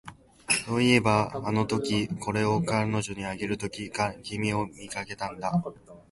そういえば、あのとき、これを彼女にあげるとき、君を見かけたんだ